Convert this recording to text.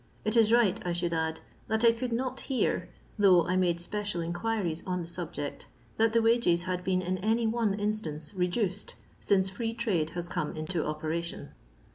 It is right I should add, that I could not hear — thooff h I made special enquiries on the subject — that the wages had been in any one instance reduced since Free trade has come into operation.